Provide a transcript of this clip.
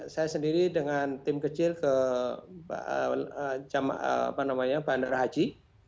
saya sendiri dengan tim kecil ke bandara haji